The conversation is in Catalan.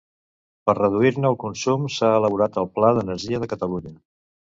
Per reduir-ne el consum s'ha elaborat el Pla d'energia de Catalunya.